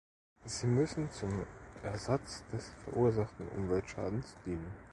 Sie müssen zum Ersatz des verursachten Umweltschadens dienen.